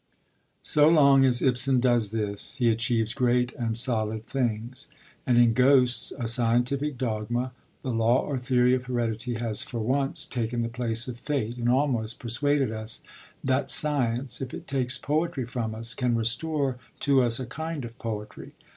_ So long as Ibsen does this, he achieves great and solid things; and in Ghosts a scientific dogma, the law or theory of heredity, has for once taken the place of fate, and almost persuaded us that science, if it takes poetry from us, can restore to us a kind of poetry.